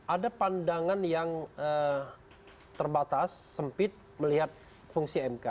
ada pandangan yang terbatas sempit melihat fungsi mk